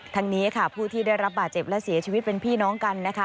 ทั้งนี้ค่ะผู้ที่ได้รับบาดเจ็บและเสียชีวิตเป็นพี่น้องกันนะคะ